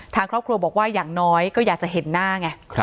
ทางครอบครัวบอกว่าอย่างน้อยก็อยากจะเห็นหน้าไง